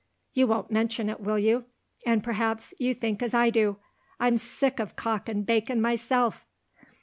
You won't mention it, will you? and perhaps you think as I do? I'm sick of cock and bacon, myself."